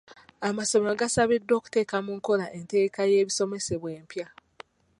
Amasomero gasabiddwa okuteeka mu nkola enteekateeka y'ebisomesebwa empya.